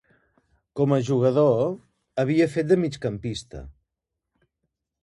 Com a jugador, havia fet de migcampista.